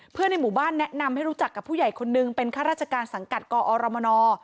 ในหมู่บ้านแนะนำให้รู้จักกับผู้ใหญ่คนนึงเป็นข้าราชการสังกัดกอรมน